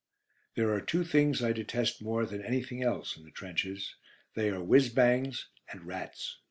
JULY 1ST, 1916] There are two things I detest more than anything else in the trenches: they are "whizz bangs" and rats.